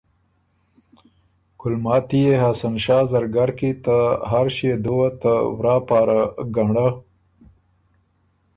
ګُلماتی يې حسن شاه زرګر کی ته هر ݭيې دُوّه ته ورا پاره ګنړۀ